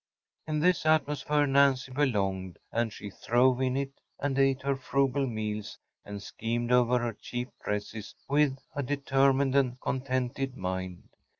In this atmosphere Nancy belonged; and she throve in it and ate her frugal meals and schemed over her cheap dresses with a determined and contented mind.